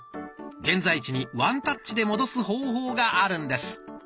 現在地にワンタッチで戻す方法があるんです。